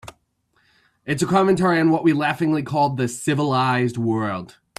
It's a commentary on what we laughingly call the civilized world.